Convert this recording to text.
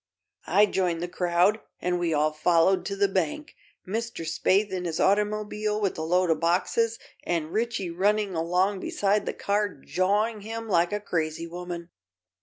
I joined the crowd and we all followed to the bank, Mr. Spaythe in his automobile with the load of boxes and Ritchie running along beside the car jawing him like a crazy woman.